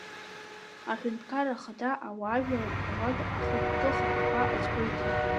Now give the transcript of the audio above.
Аҳәынҭқарра Ахада Ауаажәларратә Палата ахықәкы хадақәа азгәеиҭеит.